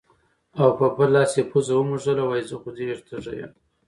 او پۀ بل لاس يې پوزه ومږله وې زۀ خو ډېر تږے يم